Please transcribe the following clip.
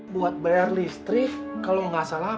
buat bayar listrik kalau nggak salah